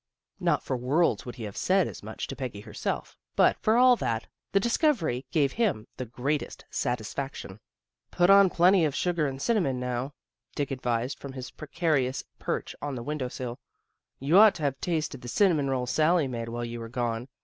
Not for worlds would he have said as much to Peggy herself, but, for all that, the discovery gave him the greatest satisfaction. " Put on plenty of sugar and cinnamon now," Dick advised from his precarious perch on the THE GIRL NEXT DOOR 19 window sill. " You'd ought to have tasted the cinnamon rolls Sally made while you were gone.